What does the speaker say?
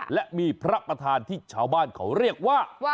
และมีพระประธานที่ชาวบ้านเขาเรียกว่า